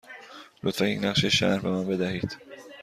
لطفاً یک نقشه شهر به من بدهید.